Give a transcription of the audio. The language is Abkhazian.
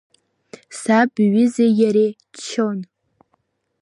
Саб иҩызеи иареи ччон.